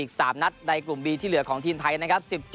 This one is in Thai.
ขนาดที่ฮี